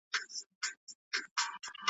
خو دا مي په خپل ښار کي له لویانو اورېدلي .